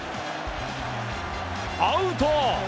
アウト！